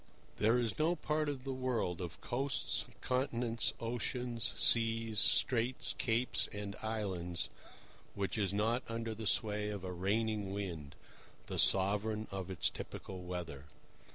THERE is no part of the world of coasts, continents, oceans, seas, straits, capes, and islands which is not under the sway of a reigning wind, the sovereign of its typical weather.